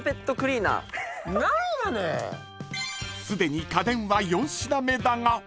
［すでに家電は４品目だが］